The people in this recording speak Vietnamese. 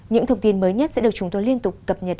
những thông tin mới nhất sẽ được chúng tôi liên tục cập nhật